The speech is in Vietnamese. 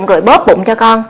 rồi bóp bụng cho con